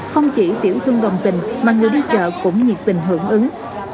không chỉ tiểu thương đồng tình mà người đi chợ cũng nhiệt tình hưởng ứng